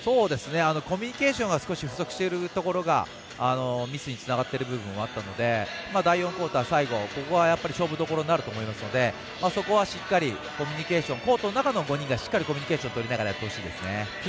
コミュニケーションが少し不足しているところがミスにつながっている部分がありましたので第４クオーター最後、ここは勝負どころになると思いますのでそこはしっかりコミュニケーションコートの中の５人がしっかりコミュニケーションとりながらやってほしいですね。